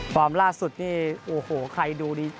ฟอร์มล่าสุดนี่โอ้โหใครดูนี่